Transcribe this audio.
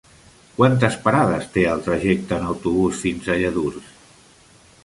Quantes parades té el trajecte en autobús fins a Lladurs?